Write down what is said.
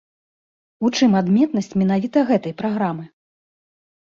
У чым адметнасць менавіта гэтай праграмы?